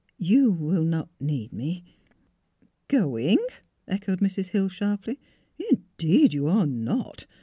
" You will not need me "" Going? " echoed Mrs. Hill, sharply. " In deed, you are not.